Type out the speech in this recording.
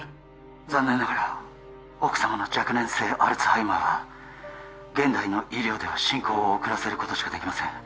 残念ながら奥様の若年性アルツハイマーは現代の医療では進行を遅らせることしかできません